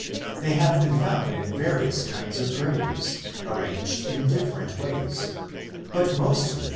They have been found in various kinds of graves, arranged in different ways, but mostly the 1 Q.